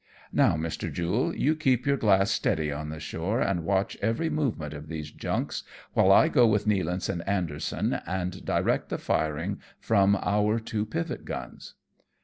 " Now, Mr. Jule, you keep your glass steady on the shore and watch every movement of these junks, while I go with TSTealance and Anderson and direct the firing from our two pivot guns."